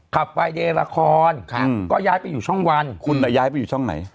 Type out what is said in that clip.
ขับวายเดย์ละครก็ย้ายไปอยู่ช่องวันคุณย้ายไปอยู่ช่องไหน